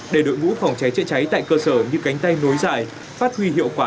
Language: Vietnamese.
để đội ngũ phòng cháy chữa cháy tại cơ sở như cánh tay nối dài phát huy hiệu quả